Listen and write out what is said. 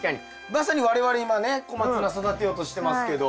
まさに我々今ねコマツナ育てようとしてますけど。